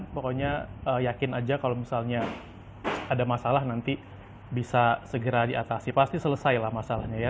pokoknya yakin aja kalau misalnya ada masalah nanti bisa segera diatasi pasti selesailah masalahnya ya